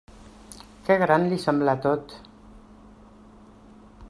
Que gran li semblà tot!